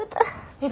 えっ！？